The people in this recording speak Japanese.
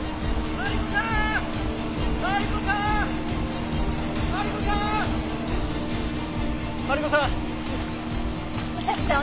マリコさん！